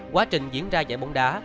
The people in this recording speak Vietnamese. quá trình diễn ra giải bóng đá